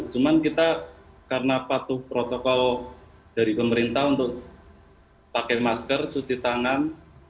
cuman kita karena patuh protokol dari pemerintah untuk pakai masker cuci tangan